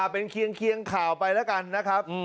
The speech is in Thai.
เป็นเคียงข่าวไปแล้วกันนะครับ